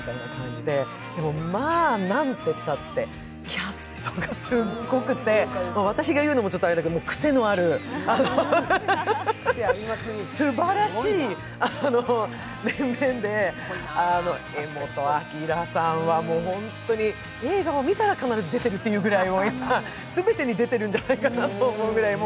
でも、まあ、なんてったってキャストがすごくて、私が言うのもちょっとあれだけれども、癖のあるすばらしい面々で柄本明さんはホントに映画を見たら必ず出てるってぐらい全てに出てるんじゃないかなって思うぐらい。